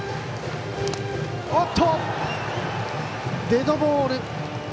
デッドボール！